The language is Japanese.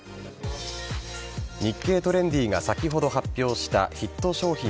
「日経トレンディ」が先ほど発表したヒット商品